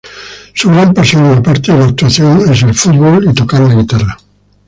Su gran pasión aparte de la actuación es el fútbol y tocar la guitarra.